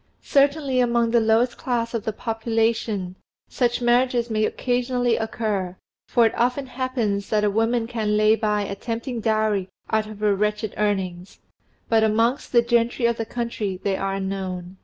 Certainly among the lowest class of the population such, marriages may occasionally occur, for it often happens that a woman can lay by a tempting dowry out of her wretched earnings , but amongst the gentry of the country they are unknown.